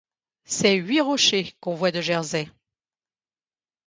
C’est huit rochers qu’on voit de Jersey.